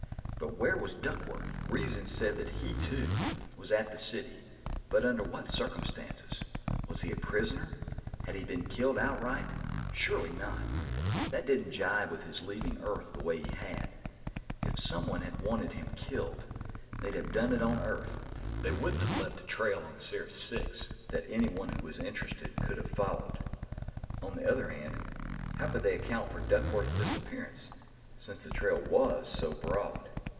But where was Duckworth? Reason said that he, too, was at the City, but under what circumstances? Was he a prisoner? Had he been killed outright? Surely not. That didn't jibe with his leaving Earth the way he had. If someone had wanted him killed, they'd have done it on Earth; they wouldn't have left a trail to Sirius IV that anyone who was interested could have followed. On the other hand, how could they account for Duckworth's disappearance, since the trail was so broad?